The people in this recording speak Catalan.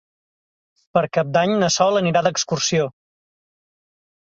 Per Cap d'Any na Sol anirà d'excursió.